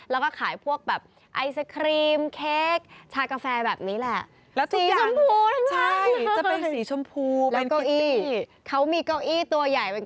แล้วก็ขายพวกแบบไอศครีมเค้กชากาแฟแบบนี้แหละ